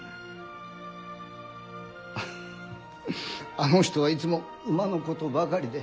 あの人はいつも馬のことばかりで。